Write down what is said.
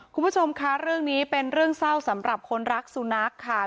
คุณผู้ชมคะเรื่องนี้เป็นเรื่องเศร้าสำหรับคนรักสุนัขค่ะ